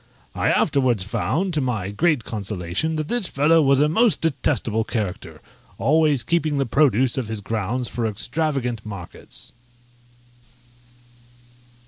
I afterwards found, to my great consolation, that this fellow was a most detestable character, always keeping the produce of his grounds for extravagant markets.